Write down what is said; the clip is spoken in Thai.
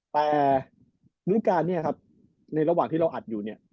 แต่รุ่นการเนี่ยครับในระหว่างที่เราอัดอยู่เนี่ย